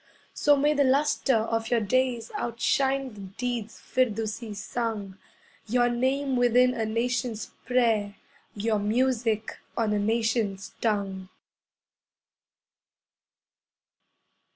So may the lustre of your days Outshine the deeds Firdusi sung, Your name within a nation's prayer, Your music on a nation's tongue.